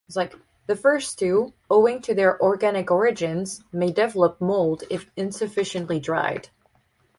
The first two, owing to their organic origins, may develop mold if insufficiently dried.